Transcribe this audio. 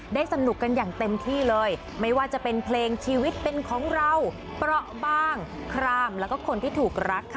สนุกกันอย่างเต็มที่เลยไม่ว่าจะเป็นเพลงชีวิตเป็นของเราเปราะบางครามแล้วก็คนที่ถูกรักค่ะ